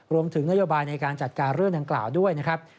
รวมถึงนโยบายในการจัดการเรื่องดังกล่าวด้วยนะครับ